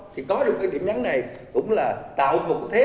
thì có được cái điểm nhắn này cũng là tạo một thế